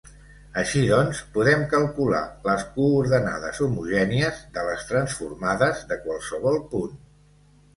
Així doncs, podem calcular les coordenades homogènies de les transformades de qualsevol punt.